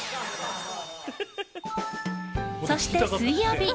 そして水曜日。